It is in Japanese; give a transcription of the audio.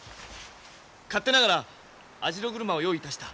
勝手ながら網代車を用意いたした。